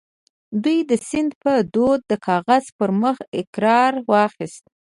دوی د سند په دود د کاغذ پر مخ اقرار واخيسته